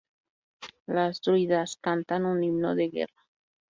Los druidas cantan un himno de "Guerra!".